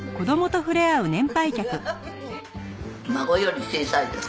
孫より小さいです。